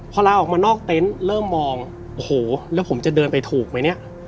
พอลาออกมานอกเต็นต์เริ่มมองโอ้โหแล้วผมจะเดินไปถูกไหมเนี่ย